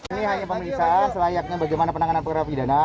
ini hanya pemerintahan selayaknya bagaimana penanganan penggerak pidana